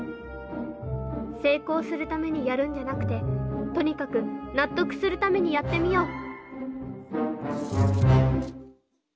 成功するためにやるんじゃなくてとにかく納得するためにやってみよう！